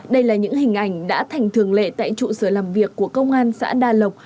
đây là những hình ảnh đã thành thường lệ tại trụ sở làm việc của công an xã đa lộc